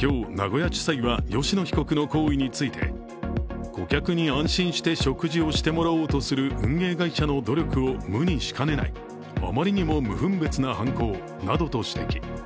今日、名古屋地裁は吉野被告の行為について顧客に安心して食事をしてもらおうとする運営会社の努力を無にしかねない、あまりにも無分別な犯行と指摘。